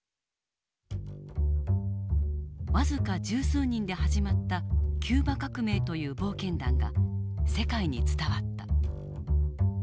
僅か十数人で始まったキューバ革命という冒険談が世界に伝わった。